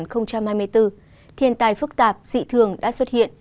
năm hai nghìn hai mươi bốn thiên tài phức tạp dị thường đã xuất hiện